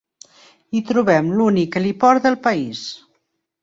Hi trobem l'únic heliport del país.